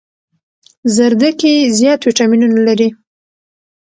زردکي زيات ويټامينونه لري